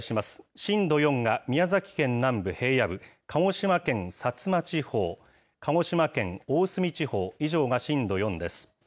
震度４が宮崎県南部、平野部、鹿児島県薩摩地方、鹿児島県大隅地方、以上が震度４です。